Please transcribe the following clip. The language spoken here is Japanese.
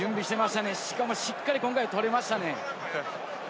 しかもしっかり今回取りましたね。